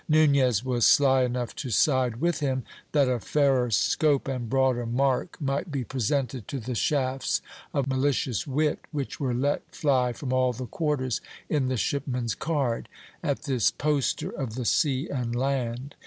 Nunez was sly enough to side with him, that a fairer scope and broader mark might be presented to the shafts of malicious wit which were let fly from all the quarters in the shipman's card, at this poster of the sea and land.